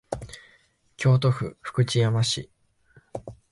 京都府福知山市